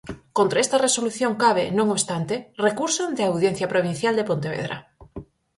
Contra esta resolución cabe, non obstante, recurso ante a Audiencia Provincial de Pontevedra.